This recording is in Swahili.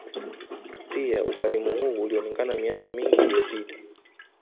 Pia ukarimu huu ulionekana miaka mingi iliyopita